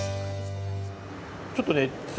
ちょっとね